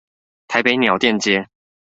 台北鳥店街